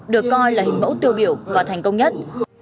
được coi là hình mẫu tiêu biểu và thành công nhất